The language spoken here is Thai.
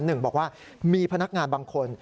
บอกว่ามีพนักงานบางคน